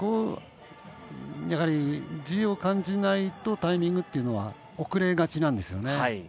やはりＧを感じないとタイミングっていうのは遅れがちなんですね。